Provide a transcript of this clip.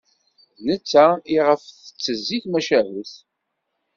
D netta i ɣef tettezzi tmacahut.